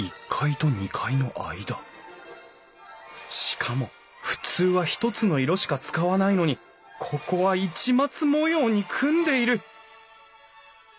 しかも普通は一つの色しか使わないのにここは市松模様に組んでいる！